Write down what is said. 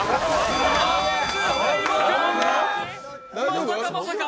まさかまさか。